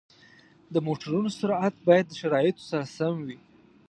د موټرو سرعت باید د شرایطو سره سم وي.